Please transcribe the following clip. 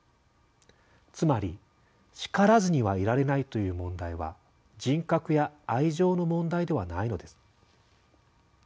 つまり「叱らずにはいられない」という問題は人格や愛情の問題ではないのです。